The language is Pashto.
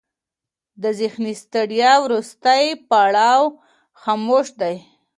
د ذهني ستړیا وروستی پړاو خاموشي دی.